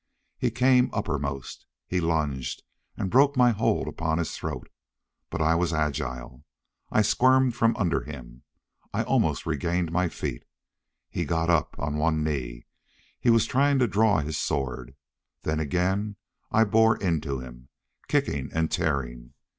He came uppermost. He lunged and broke my hold upon his throat, but I was agile: I squirmed from under him. I almost regained my feet. He got up on one knee. He was trying to draw his sword. Then again I bore into him, kicking and tearing.